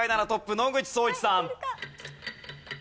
野口聡一さん。